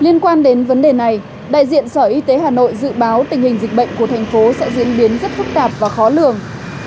liên quan đến vấn đề này đại diện sở y tế hà nội dự báo tình hình dịch bệnh của thành phố sẽ diễn biến rất phức tạp và khó lường